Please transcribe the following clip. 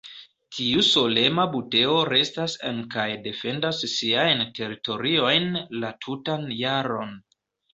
Tiu solema buteo restas en kaj defendas siajn teritoriojn la tutan jaron.